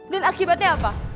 dan akibatnya apa